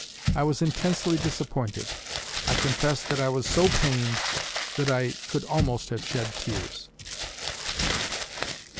I was intensely disappointed. I confess that I was so pained that I could almost have shed tears."